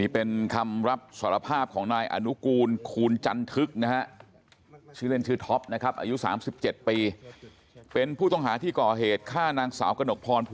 ผมเชียร์กันที่ลงจวนแล้วด้วยนั่งกินเบียร์กัน